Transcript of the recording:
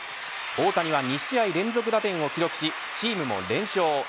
大谷は２試合連続打点を記録しチームも連勝。